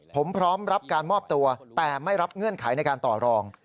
ผมพร้อมรับการมอบตัวแต่ไม่รับเงื่อนไขในการต่อรอง